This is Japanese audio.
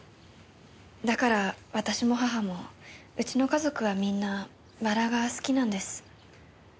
だから私も母もうちの家族はみんなバラが好きなんです。